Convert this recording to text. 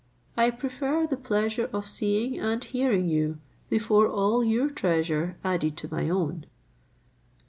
I prefer the pleasure of seeing and hearing you before all your treasure added to my own."